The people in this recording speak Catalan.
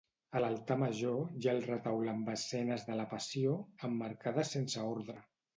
A l'altar major hi ha el Retaule amb escenes de la Passió, emmarcades sense ordre.